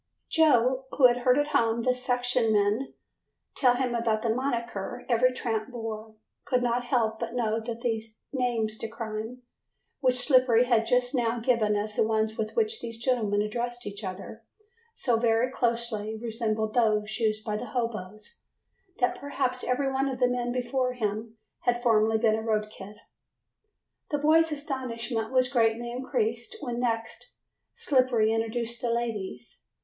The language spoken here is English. Joe, who had heard at home the section men tell about the "monicker" every tramp bore, could not help but note that these "names de crime" which Slippery had just now given as the ones with which these gentlemen addressed each other, so very closely resembled those used by the hoboes that perhaps every one of the men before him had formerly been a road kid. The boy's astonishment was greatly increased when next Slippery introduced the "ladies".